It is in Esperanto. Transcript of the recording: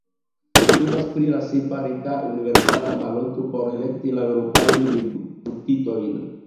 Temas pri la sepa rekta universala baloto por elekti la eŭropajn deputitojn.